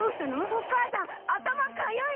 お母さん頭かゆい！